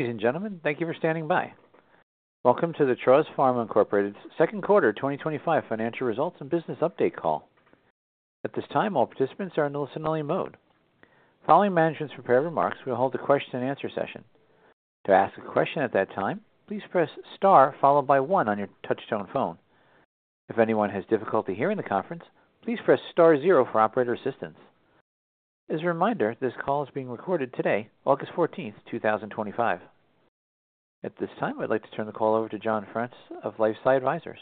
Ladies and gentlemen, thank you for standing by. Welcome to the Traws Pharma Incorporated's Second Quarter 2025 Financial Results and Business Update Call. At this time, all participants are in the listen-only mode. Following management's prepared remarks, we'll hold a question-and-answer session. To ask a question at that time, please press star followed by one on your touch-tone phone. If anyone has difficulty hearing the conference, please press star zero for operator assistance. As a reminder, this call is being recorded today, August 14th, 2025. At this time, I'd like to turn the call over to John Fraunces of LifeSci Advisors.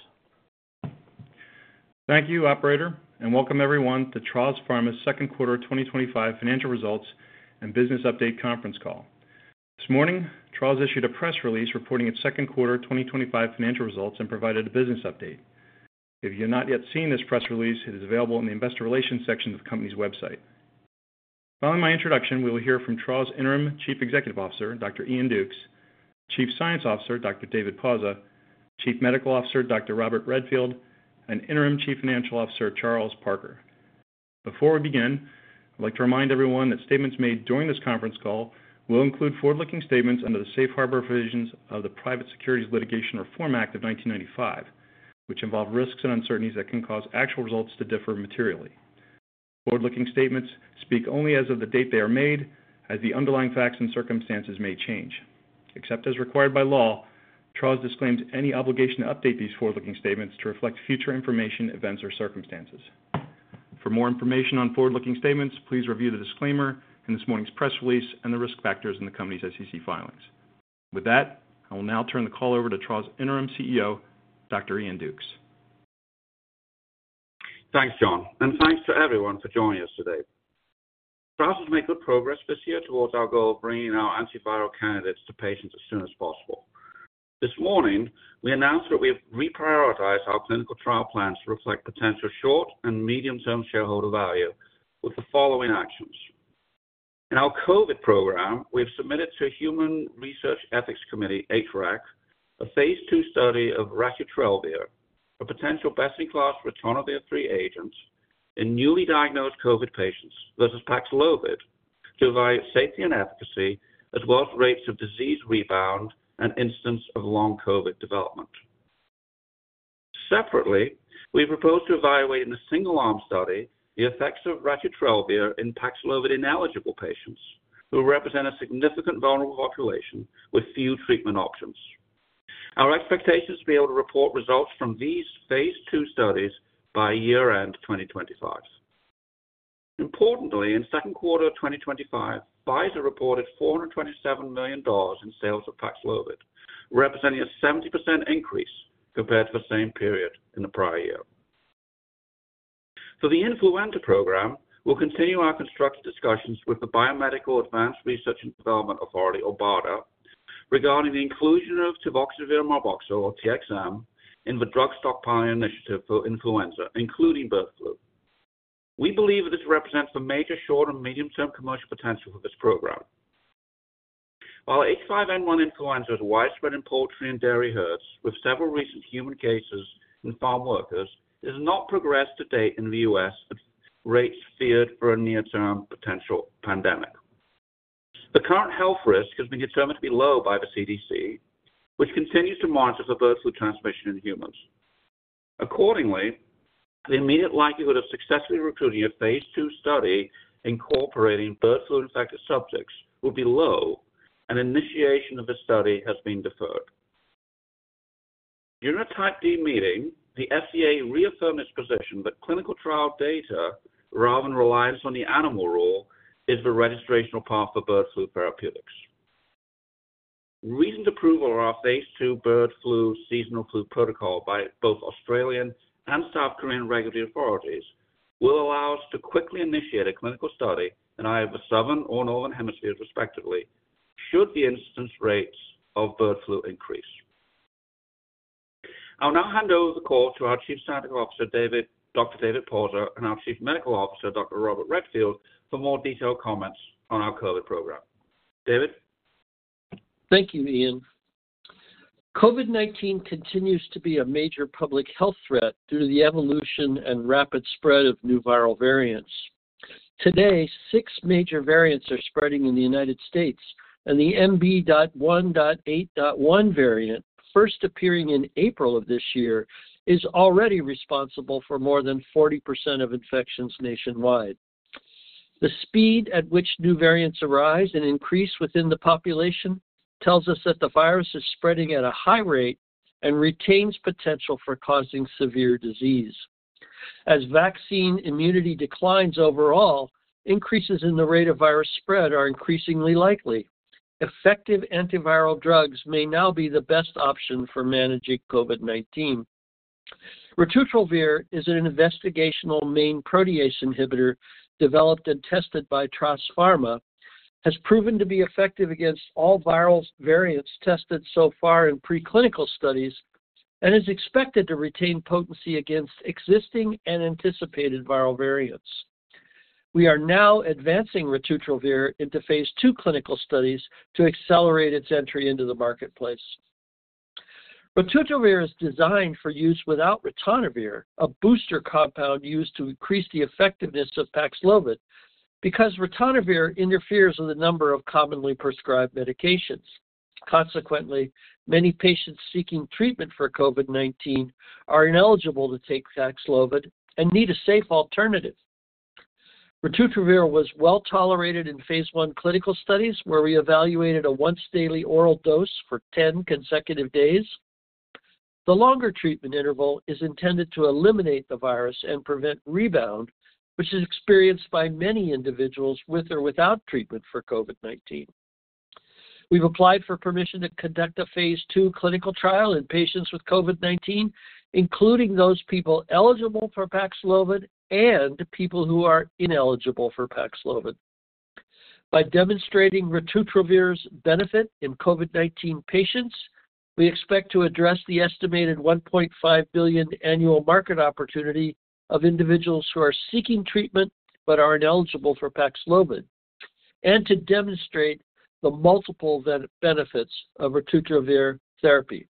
Thank you, operator, and welcome everyone to Traws Pharma's Second Quarter 2025 Financial Results and Business Update Conference Call. This morning, Traws issued a press release reporting its second quarter 2025 financial results and provided a business update. If you have not yet seen this press release, it is available in the investor relations section of the company's website. Following my introduction, we will hear from Traws Interim Chief Executive Officer, Dr. Iain Dukes, Chief Science Officer, Dr. David Pauza, Chief Medical Officer, Dr. Robert Redfield, and Interim Chief Financial Officer, Charles Parker. Before we begin, I'd like to remind everyone that statements made during this conference call will include forward-looking statements under the safe harbor provisions of the Private Securities Litigation Reform Act of 1995, which involve risks and uncertainties that can cause actual results to differ materially. Forward-looking statements speak only as of the date they are made, as the underlying facts and circumstances may change. Except as required by law, Traws disclaims any obligation to update these forward-looking statements to reflect future information, events, or circumstances. For more information on forward-looking statements, please review the disclaimer in this morning's press release and the risk factors in the company's SEC filings. With that, I will now turn the call over to Traws Interim CEO, Dr. Iain Dukes. Thanks, John, and thanks to everyone for joining us today. Traws has made good progress this year towards our goal of bringing our antiviral candidates to patients as soon as possible. This morning, we announced that we have reprioritized our clinical trial plans to reflect potential short and medium-term shareholder value with the following actions. In our COVID program, we have submitted to Human Research Ethics Committee (HREC) a phase II study of ratutrelvir, a potential best-in-class main protease inhibitor agent in newly diagnosed COVID patients versus PAXLOVID to evaluate safety and efficacy, as well as rates of disease rebound and incidence of long COVID development. Separately, we propose to evaluate in a single-arm study the effects of ratutrelvir in PAXLOVID-ineligible patients, who represent a significant vulnerable population with few treatment options. Our expectation is to be able to report results from these phase II studies by year-end 2025. Importantly, in the second quarter of 2025, Pfizer reported $427 million in sales of PAXLOVID, representing a 70% increase compared to the same period in the prior year. For the influenza program, we'll continue our constructive discussions with the Biomedical Advanced Research and Development Authority, or BARDA, regarding the inclusion of [baloxavir marboxil], in the drug stockpiling initiative for influenza, including bird flu. We believe that this represents the major short and medium-term commercial potential for this program. While H5N1 influenza had widespread importance in dairy herds, with several recent human cases in farm workers, it has not progressed to date in the U.S. at rates feared for a near-term potential pandemic. The current health risk has been determined to be low by the CDC, which continues to monitor for bird flu transmission in humans. Accordingly, the immediate likelihood of successfully recruiting a phase II study incorporating bird flu-infected subjects would be low, and initiation of the study has been deferred. During a type D meeting, the FDA reaffirmed its position that clinical trial data, rather than reliance on the animal rule, is the registrational path for bird flu therapeutics. Recent approval of our phase II bird flu seasonal flu protocol by both Australian and South Korean regulatory authorities will allow us to quickly initiate a clinical study in either the southern or northern hemispheres, respectively, should the incidence rates of bird flu increase. I'll now hand over the call to our Chief Science Officer, Dr. David Pauza, and our Chief Medical Officer, Dr. Robert Redfield, for more detailed comments on our COVID program. David? Thank you, Iain. COVID-19 continues to be a major public health threat through the evolution and rapid spread of new viral variants. Today, six major variants are spreading in the U.S., and the MB.1.8.1 variant, first appearing in April of this year, is already responsible for more than 40% of infections nationwide. The speed at which new variants arise and increase within the population tells us that the virus is spreading at a high rate and retains potential for causing severe disease. As vaccine immunity declines overall, increases in the rate of virus spread are increasingly likely. Effective antiviral drugs may now be the best option for managing COVID-19. Ratutrelvir, an investigational main protease inhibitor developed and tested by Traws Pharma, has proven to be effective against all viral variants tested so far in preclinical studies and is expected to retain potency against existing and anticipated viral variants. We are now advancing ratutrelvir into phase II clinical studies to accelerate its entry into the marketplace. ratutrelvir is designed for use without ritonavir, a booster compound used to increase the effectiveness of PAXLOVID, because ritonavir interferes with a number of commonly prescribed medications. Consequently, many patients seeking treatment for COVID-19 are ineligible to take PAXLOVID and need a safe alternative. ratutrelvir was well tolerated in phase 1 clinical studies where we evaluated a once-daily oral dose for 10 consecutive days. The longer treatment interval is intended to eliminate the virus and prevent rebound, which is experienced by many individuals with or without treatment for COVID-19. We've applied for permission to conduct a phase II clinical trial in patients with COVID-19, including those people eligible for PAXLOVID and people who are ineligible for PAXLOVID. By demonstrating ratutrelvir's benefit in COVID-19 patients, we expect to address the estimated $1.5 billion annual market opportunity of individuals who are seeking treatment but are ineligible for PAXLOVID and to demonstrate the multiple benefits of ratutrelvir therapy.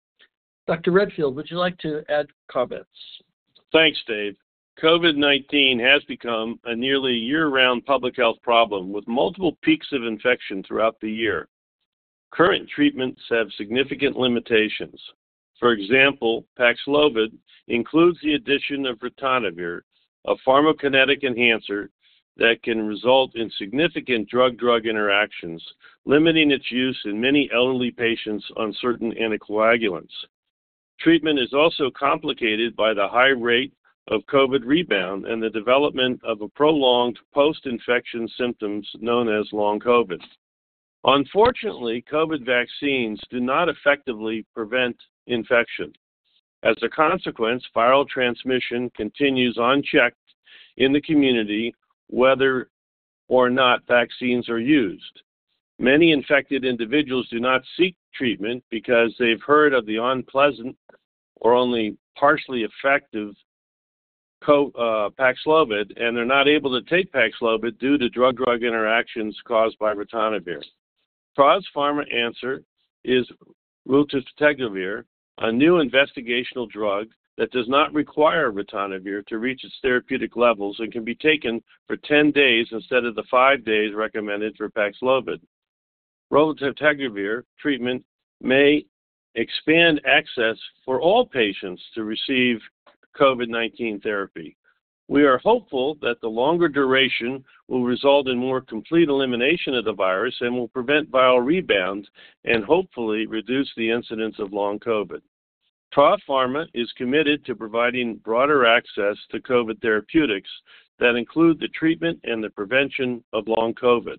Dr. Redfield, would you like to add comments? Thanks, Dave. COVID-19 has become a nearly year-round public health problem with multiple peaks of infection throughout the year. Current treatments have significant limitations. For example, PAXLOVID includes the addition of ritonavir, a pharmacokinetic enhancer that can result in significant drug-drug interactions, limiting its use in many elderly patients on certain anticoagulants. Treatment is also complicated by the high rate of COVID rebound and the development of a prolonged post-infection symptom known as long COVID. Unfortunately, COVID vaccines do not effectively prevent infection. As a consequence, viral transmission continues unchecked in the community whether or not vaccines are used. Many infected individuals do not seek treatment because they've heard of the unpleasant or only partially effective PAXLOVID, and they're not able to take PAXLOVID due to drug-drug interactions caused by ritonavir. Traws Pharma's answer is ratutrelvir, a new investigational drug that does not require ritonavir to reach its therapeutic levels and can be taken for 10 days instead of the 5 days recommended for PAXLOVID. ratutrelvir treatment may expand access for all patients to receive COVID-19 therapy. We are hopeful that the longer duration will result in more complete elimination of the virus and will prevent viral rebound and hopefully reduce the incidence of long COVID. Traws Pharma is committed to providing broader access to COVID therapeutics that include the treatment and the prevention of long COVID.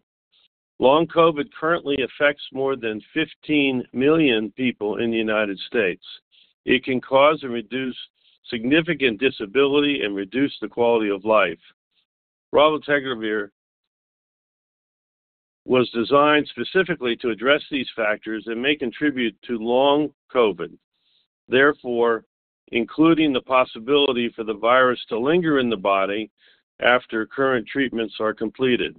Long COVID currently affects more than 15 million people in the United States. It can cause significant disability and reduce the quality of life. ratutrelvir was designed specifically to address these factors that may contribute to long COVID, including the possibility for the virus to linger in the body after current treatments are completed.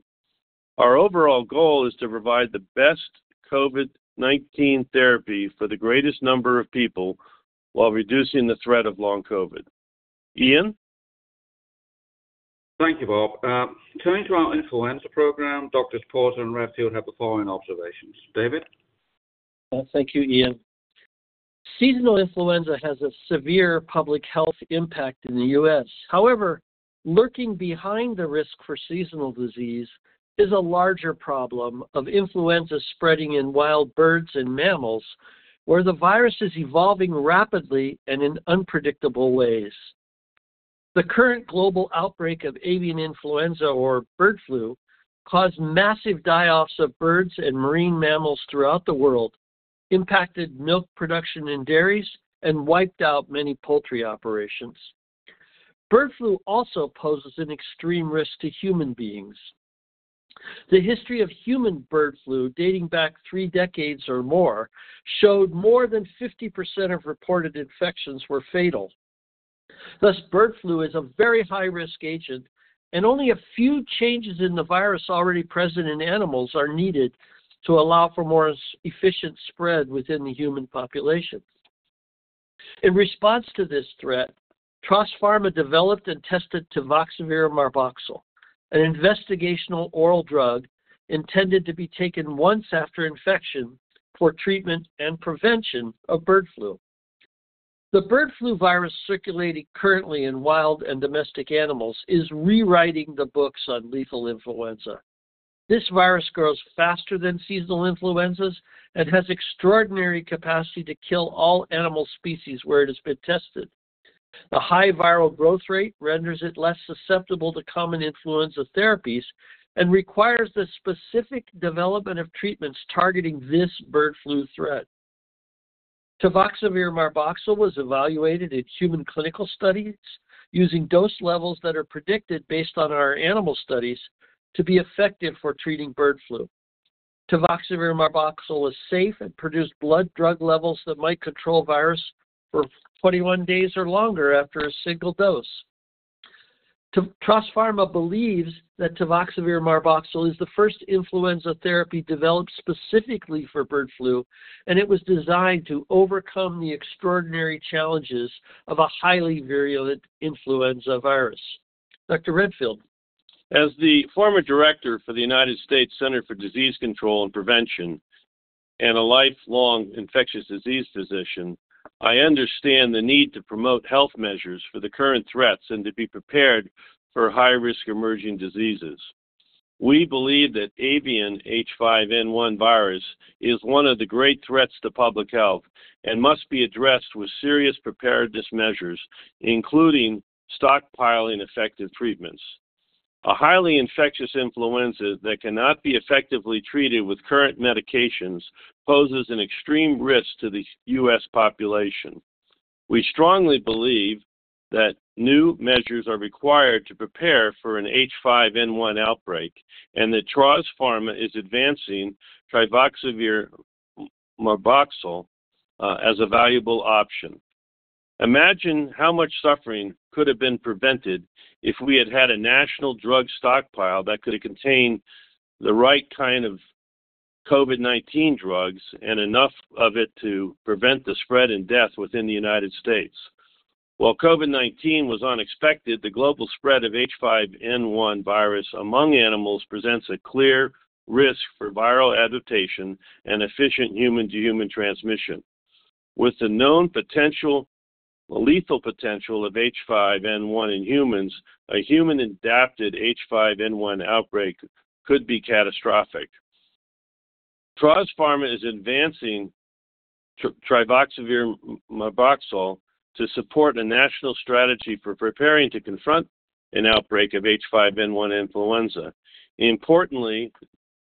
Our overall goal is to provide the best COVID-19 therapy for the greatest number of people while reducing the threat of long COVID. Iain? Thank you, Bob. Turning to our influenza program, Dr. Pauza and Dr. Redfield have the following observations. David? Thank you, Iain. Seasonal influenza has a severe public health impact in the U.S. However, lurking behind the risk for seasonal disease is a larger problem of influenza spreading in wild birds and mammals, where the virus is evolving rapidly and in unpredictable ways. The current global outbreak of avian influenza, or bird flu, caused massive die-offs of birds and marine mammals throughout the world, impacted milk production in dairies, and wiped out many poultry operations. Bird flu also poses an extreme risk to human beings. The history of human bird flu dating back three decades or more showed more than 50% of reported infections were fatal. Thus, bird flu is a very high-risk agent, and only a few changes in the virus already present in animals are needed to allow for more efficient spread within the human population. In response to this threat, Traws Pharma developed and tested baloxavir marboxil, an investigational oral drug intended to be taken once after infection for treatment and prevention of bird flu. The bird flu virus circulating currently in wild and domestic animals is rewriting the books on lethal influenza. This virus grows faster than seasonal influenzas and has extraordinary capacity to kill all animal species where it has been tested. The high viral growth rate renders it less susceptible to common influenza therapies and requires the specific development of treatments targeting this bird flu threat. Baloxavir marboxil was evaluated in human clinical studies using dose levels that are predicted based on our animal studies to be effective for treating bird flu. Baloxavir marboxil was safe and produced blood drug levels that might control virus for 21 days or longer after a single dose. Traws Pharma believes that baloxavir marboxil is the first influenza therapy developed specifically for bird flu, and it was designed to overcome the extraordinary challenges of a highly virulent influenza virus. Dr. Redfield? As the former Director for the United States Centers for Disease Control and Prevention and a lifelong infectious disease physician, I understand the need to promote health measures for the current threats and to be prepared for high-risk emerging diseases. We believe that avian (H5N1) virus is one of the great threats to public health and must be addressed with serious preparedness measures, including stockpiling effective treatments. A highly infectious influenza that cannot be effectively treated with current medications poses an extreme risk to the U.S. population. We strongly believe that new measures are required to prepare for an H5N1 outbreak and that Traws Pharma is advancing baloxavir marboxil as a valuable option. Imagine how much suffering could have been prevented if we had had a national drug stockpile that could have contained the right kind of COVID-19 drugs and enough of it to prevent the spread and death within the United States. While COVID-19 was unexpected, the global spread of H5N1 virus among animals presents a clear risk for viral adaptation and efficient human-to-human transmission. With the known potential, the lethal potential of H5N1 in humans, a human-adapted H5N1 outbreak could be catastrophic. Traws Pharma is advancing baloxavir marboxil to support a national strategy for preparing to confront an outbreak of H5N1 influenza. Importantly,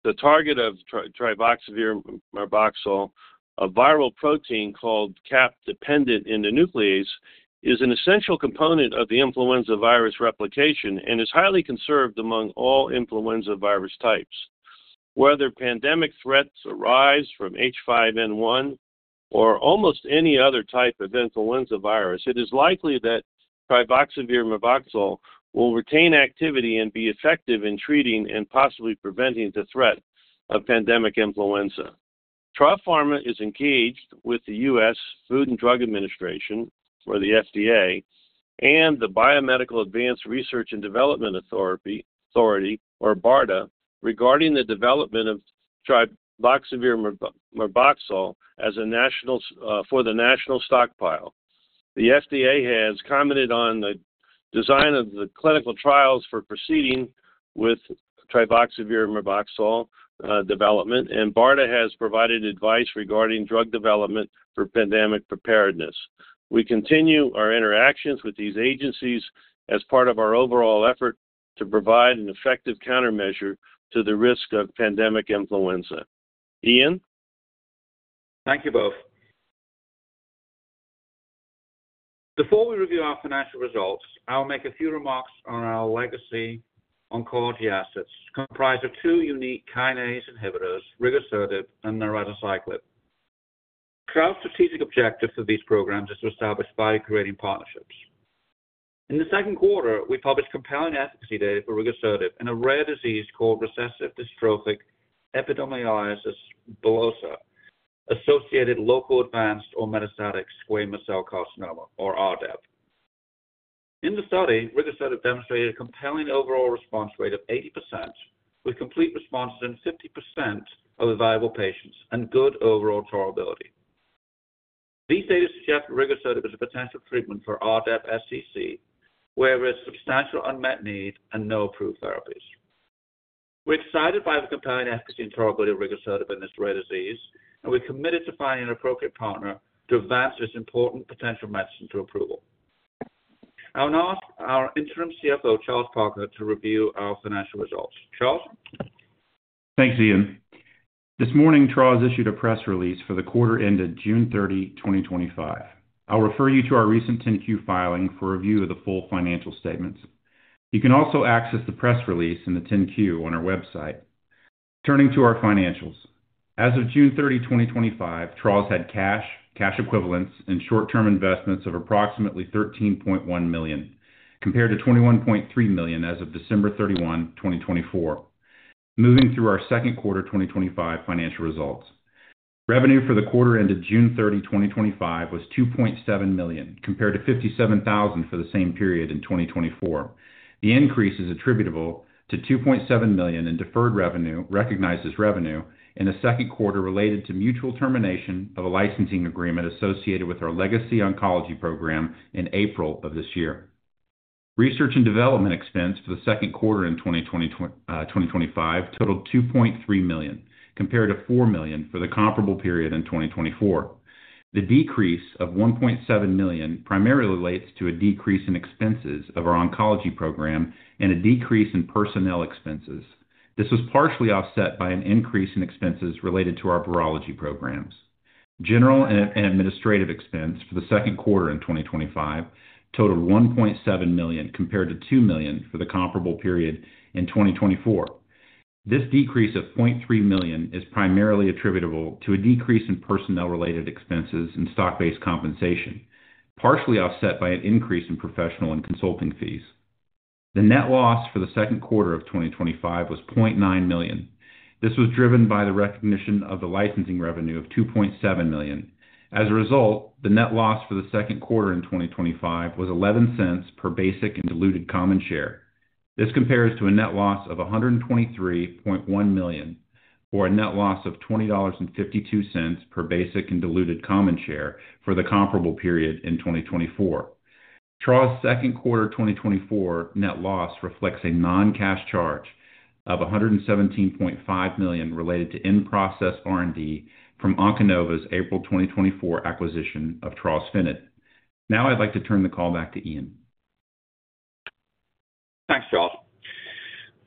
the target of baloxavir marboxil, a viral protein called CAP-dependent endonuclease, is an essential component of the influenza virus replication and is highly conserved among all influenza virus types. Whether pandemic threats arise from H5N1 or almost any other type of influenza virus, it is likely that baloxavir marboxil will retain activity and be effective in treating and possibly preventing the threat of pandemic influenza. Traws Pharma is engaged with the U.S. Food and Drug Administration, or the FDA, and the Biomedical Advanced Research and Development Authority, or BARDA, regarding the development of baloxavir marboxil for the national stockpile. The FDA has commented on the design of the clinical trials for proceeding with baloxavir marboxil development, and BARDA has provided advice regarding drug development for pandemic preparedness. We continue our interactions with these agencies as part of our overall effort to provide an effective countermeasure to the risk of pandemic influenza. Iain? Thank you both. Before we review our financial results, I'll make a few remarks on our legacy oncology assets, comprised of two unique kinase inhibitors, [roscovitine and ricociclib]. Our strategic objective for these programs is to establish value-creating partnerships. In the second quarter, we published compelling efficacy data for [roscovitine] in a rare disease called recessive dystrophic epidermolysis bullosa associated local advanced or metastatic squamous cell carcinoma, or RDEP. In the study, [roscovitine] demonstrated a compelling overall response rate of 80%, with complete responses in 50% of the viable patients and good overall tolerability. These data suggest [roscovitine] is a potential treatment for RDEP SCC, where there is substantial unmet need and no approved therapies. We're excited by the compelling efficacy and tolerability of [roscovitine] in this rare disease, and we're committed to finding an appropriate partner to advance this important potential medicine to approval. I'll now ask our Interim Chief Financial Officer, Charles Parker, to review our financial results. Charles? Thanks, Iain. This morning, Traws issued a press release for the quarter ended June 30, 2025. I'll refer you to our recent 10-Q filing for review of the full financial statements. You can also access the press release and the 10-Q on our website. Turning to our financials, as of June 30, 2025, Traws had cash, cash equivalents, and short-term investments of approximately $13.1 million, compared to $21.3 million as of December 31, 2024. Moving through our second quarter 2025 financial results, revenue for the quarter ended June 30, 2025, was $2.7 million, compared to $57,000 for the same period in 2024. The increase is attributable to $2.7 million in deferred revenue, recognized as revenue, in the second quarter related to mutual termination of a licensing agreement associated with our legacy oncology program in April of this year. Research and development expense for the second quarter in 2025 totaled $2.3 million, compared to $4 million for the comparable period in 2024. The decrease of $1.7 million primarily relates to a decrease in expenses of our oncology program and a decrease in personnel expenses. This was partially offset by an increase in expenses related to our virology programs. General and administrative expense for the second quarter in 2025 totaled $1.7 million, compared to $2 million for the comparable period in 2024. This decrease of $0.3 million is primarily attributable to a decrease in personnel-related expenses and stock-based compensation, partially offset by an increase in professional and consulting fees. The net loss for the second quarter of 2025 was $0.9 million. This was driven by the recognition of the licensing revenue of $2.7 million. As a result, the net loss for the second quarter in 2025 was $0.11 per basic and diluted common share. This compares to a net loss of $123.1 million or a net loss of $20.52 per basic and diluted common share for the comparable period in 2024. Traws Pharma's second quarter 2024 net loss reflects a non-cash charge of $117.5 million related to in-process R&D from Onconova's April 2024 acquisition of Trawsfynydd. Now I'd like to turn the call back to Iain. Thanks, Charles.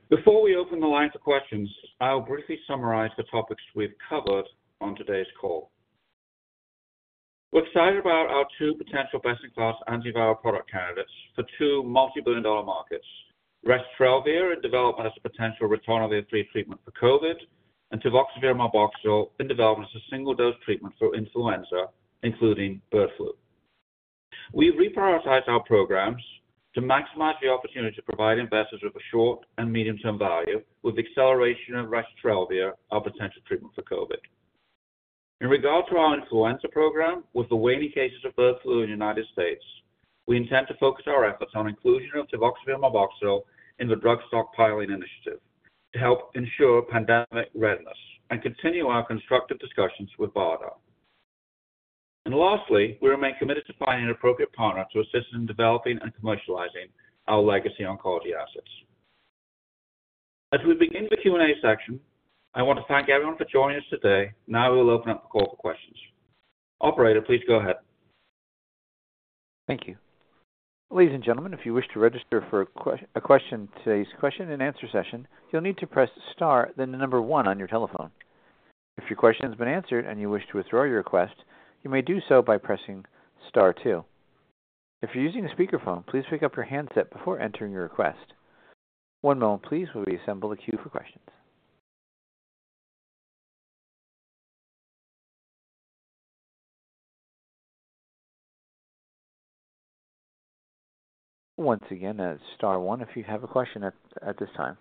Before we open the lines for questions, I'll briefly summarize the topics we've covered on today's call. We're excited about our two potential best-in-class antiviral product candidates for two multi-billion dollar markets: ratutrelvir in development as a potential main protease inhibitor treatment for COVID and baloxavir marboxil in development as a single-dose treatment for influenza, including bird flu. We've reprioritized our programs to maximize the opportunity to provide investors with short and medium-term value with the acceleration of ratutrelvir, our potential treatment for COVID. In regard to our influenza program, with the waning cases of bird flu in the United States, we intend to focus our efforts on inclusion of baloxavir marboxil in the drug stockpiling initiative to help ensure pandemic readiness and continue our constructive discussions with BARDA. Lastly, we remain committed to finding an appropriate partner to assist in developing and commercializing our legacy oncology assets. As we begin the Q&A section, I want to thank everyone for joining us today. Now we'll open up the call for questions. Operator, please go ahead. Thank you. Ladies and gentlemen, if you wish to register for a question in today's question and answer session, you'll need to press star then the number one on your telephone. If your question has been answered and you wish to withdraw your request, you may do so by pressing star two. If you're using a speakerphone, please pick up your handset before entering your request. One moment, please, we'll reassemble the queue for questions. Once again, it's star one if you have a question at this time.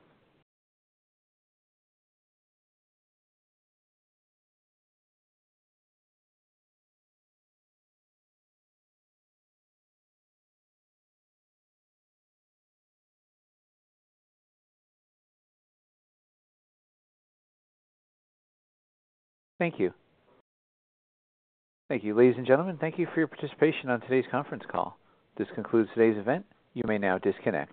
Thank you. Thank you, ladies and gentlemen. Thank you for your participation on today's conference call. This concludes today's event. You may now disconnect.